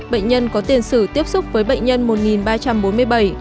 bệnh nhân có tiền sử tiếp xúc với bệnh nhân một ba trăm bốn mươi bảy